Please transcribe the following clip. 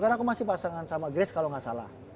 sekarang aku masih pasangan sama grace kalo gak salah